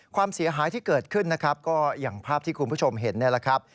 ความเสียหายที่เกิดขึ้นนะครับก็อย่างภาพที่คุณผู้ชมเห็นนี่แหละครับ